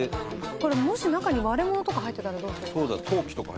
これもし中に割れ物とか入ってたらどうするんですか？